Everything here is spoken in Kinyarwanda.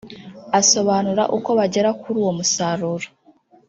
Asobanura uko bagera kuri uwo musaruro